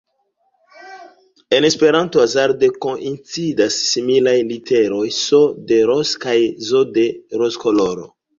En Esperanto hazarde koincidas similaj literoj “s” de Ross kaj “z” de roz-koloro.